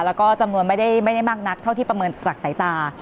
แล้วก็จำนวนไม่ได้มากนักเท่าที่ประเมินจากสายตา